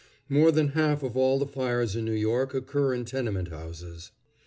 More than half of all the fires in New York occur in tenement houses.